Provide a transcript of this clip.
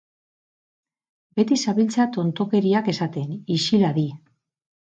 Beti zabiltza tontokeriak esaten! ixil hadi!